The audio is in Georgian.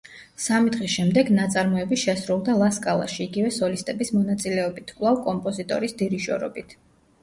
სამი დღის შემდეგ ნაწარმოები შესრულდა ლა სკალაში იგივე სოლისტების მონაწილეობით, კვლავ კომპოზიტორის დირიჟორობით.